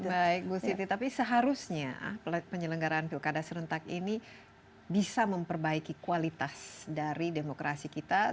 baik bu siti tapi seharusnya penyelenggaraan pilkada serentak ini bisa memperbaiki kualitas dari demokrasi kita